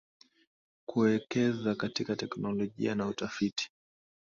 kuwekeza katika teknolojia na utafiti